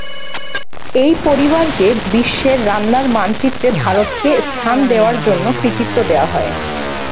এই পরিবারকে বিশ্বের রান্নার মানচিত্রে ভারতকে স্থান দেওয়ার জন্য কৃতিত্ব দেওয়া হয়।